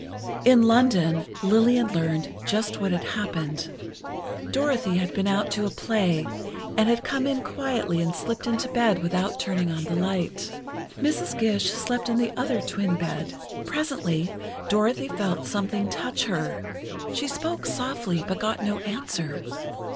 In London, Lillian learned just what had happened: Dorothy had been out to a play, and had come in quietly and slipped into bed without turning on the light. Mrs. Gish slept in the other twin bed. Presently, Dorothy felt something touch her. She spoke softly, but got no answer.